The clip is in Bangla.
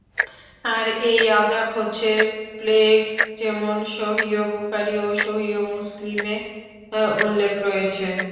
আর এই আযাব হচ্ছে প্লেগ, যেমন সহীহ বুখারী ও সহীহ মুসলিমে উল্লেখ রয়েছে।